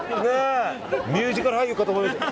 ミュージカル俳優かと思いました。